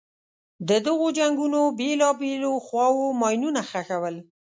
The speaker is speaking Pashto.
د دغو جنګونو بېلابېلو خواوو ماینونه ښخول.